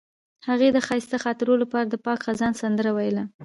هغې د ښایسته خاطرو لپاره د پاک خزان سندره ویله.